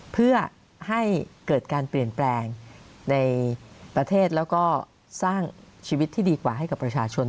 เพื่อให้เกิดการเปลี่ยนแปลงในประเทศแล้วก็สร้างชีวิตที่ดีกว่าให้กับประชาชน